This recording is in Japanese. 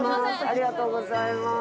ありがとうございます。